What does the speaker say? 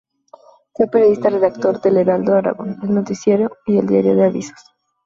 Fue periodista redactor del "Heraldo de Aragón", "El Noticiero" y el "Diario de Avisos".